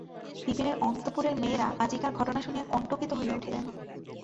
বিপিনের অন্তঃপুরের মেয়েরা আজিকার ঘটনা শুনিয়া কণ্টকিত হইয়া উঠিলেন।